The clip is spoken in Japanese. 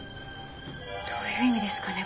どういう意味ですかね？